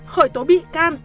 khởi tố bị can